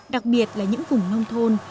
đặc biệt là những vùng nông thôn